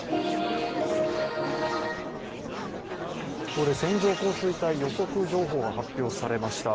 ここで線状降水帯予測情報が発表されました。